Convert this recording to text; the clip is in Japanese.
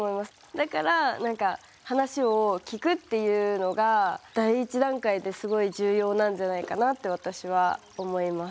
だからなんか話を聞くっていうのが第１段階ですごい重要なんじゃないかなって私は思います。